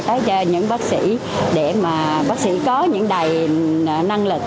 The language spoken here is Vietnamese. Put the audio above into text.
tới cho những bác sĩ để mà bác sĩ có những đầy năng lực